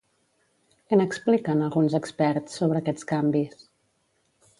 Què n'expliquen, alguns experts, sobre aquests canvis?